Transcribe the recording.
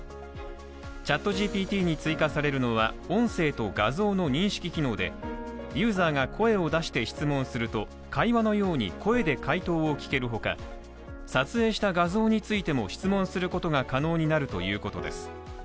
ＣｈａｔＧＰＴに追加されるのは音声と画像の認識機能でユーザーが声を出して質問すると会話のように、声で回答を聞けるほか撮影した画像についても質問することが可能になるということです。